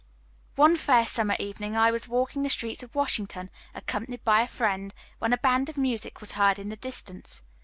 One fair summer evening I was walking the streets of Washington, accompanied by a friend, when a band of music was heard in the distance.